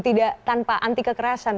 tidak tanpa anti kekerasan